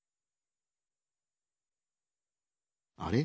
あれ？